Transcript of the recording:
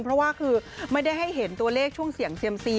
เพราะว่าคือไม่ได้ให้เห็นตัวเลขช่วงเสี่ยงเซียมซี